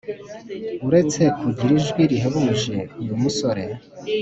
Uretse kugira ijwi rihebuje uyu musore